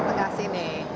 di tengah sini